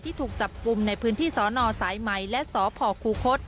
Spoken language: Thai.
ถูกจับกลุ่มในพื้นที่สนสายไหมและสพคูคศ